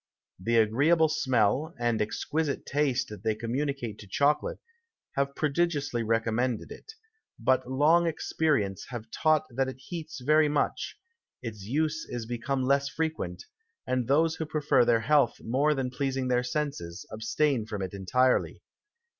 The agreeable Smell, and exquisite Taste that they communicate to Chocolate, have prodigiusly recommended it; but long Experience having taught that it heats very much, its Use is become less frequent, and those who prefer their Health more than pleasing their Senses, abstain from it entirely.